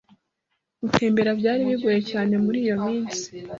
Gutembera byari bigoye cyane muri iyo minsi.